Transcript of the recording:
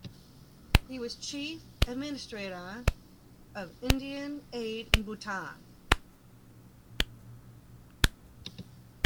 He was Chief administrator of Indian aid in Bhutan.